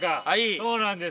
そうなんです。